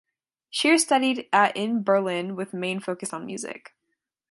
Scheer studied at in Berlin with main focus on music.